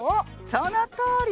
そのとおり！